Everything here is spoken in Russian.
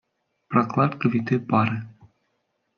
Прокладка витой пары